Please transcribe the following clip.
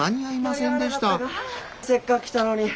せっかく来たのに。